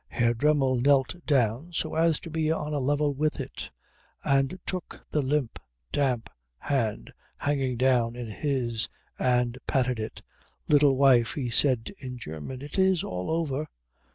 Herr Dremmel knelt down so as to be on a level with it, and took the limp damp hand hanging down in his and patted it. "Little wife," he said in German, "it is all over.